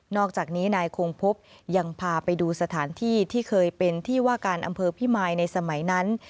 อกจากนี้นายคงพบยังพาไปดูสถานที่ที่เคยเป็นที่ว่าการอำเภอพิมายในสมัยนั้น